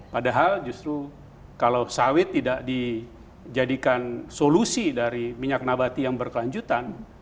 padahal justru kalau sawit tidak dijadikan solusi dari minyak nabati yang berkelanjutan